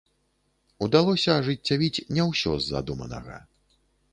Удалося ажыццявіць не ўсё з задуманага.